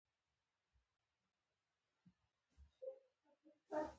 زاړه کسان د ژوند تجربه لرونکي دي